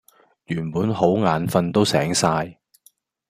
原本好眼瞓都醒晒